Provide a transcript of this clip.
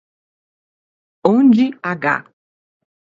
Onde h